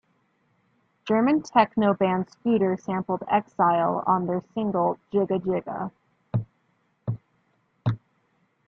German techno band Scooter sampled "Exile" on their single "Jigga Jigga!